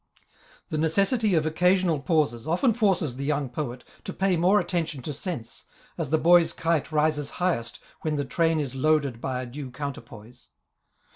The necessity of occasional pauses often forces the young poet to pay more attention to sense, as the boy's kite rises highest when the train is loaded by a due counterpoise.